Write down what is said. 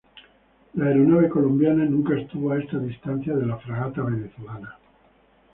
La aeronave colombiana nunca estuvo a esta distancia de la fragata venezolana.